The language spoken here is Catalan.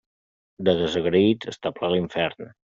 De desagraïts està ple l'infern.